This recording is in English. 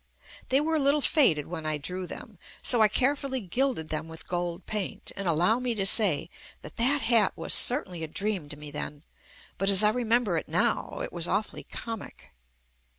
They were a little faded when I drew them, so I carefully gilded them with gold paint, and al low me to say that that hat was certainly a dream to me then, but as I remember it now it was awfully comic.